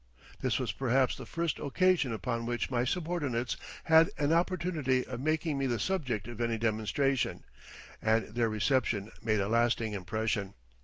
This was perhaps the first occasion upon which my subordinates had an opportunity of making me the subject of any demonstration, and their reception made a lasting impression.